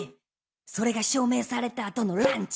それが証明された後のランチ！